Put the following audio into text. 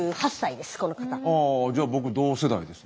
あじゃあ僕同世代です。